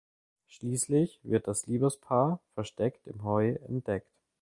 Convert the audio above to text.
Schließlich wird das Liebespaar versteckt im Heu entdeckt.